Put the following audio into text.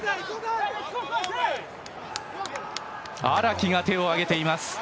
荒木が手を上げています。